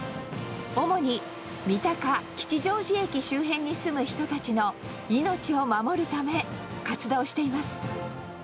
主に三鷹、吉祥寺駅周辺に住む人たちの命を守るため、活動しています。